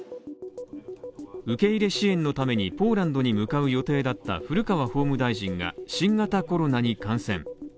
受け入れ支援のためにポーランドに向かう予定だった古川法務大臣が、新型コロナに感染。